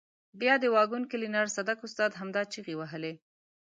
بیا د واګون کلینر صدک استاد همدا چیغې وهلې.